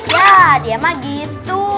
ya dia mah gitu